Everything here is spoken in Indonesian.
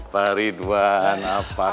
pak ridwan apa kabar